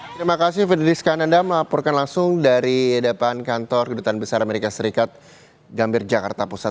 terima kasih freddy skanda melaporkan langsung dari depan kantor kedutaan besar amerika serikat gambir jakarta pusat